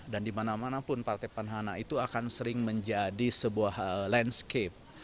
dan di mana mana pun partai petahana itu akan sering menjadi sebuah landscape